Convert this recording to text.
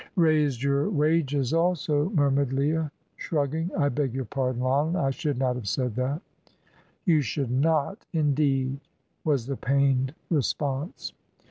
"Raised your wages also," murmured Leah, shrugging. "I beg your pardon, Lionel, I should not have said that." "You should not, indeed," was the pained response.